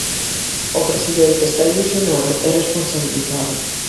O presidente está ilusionado e responsabilizado.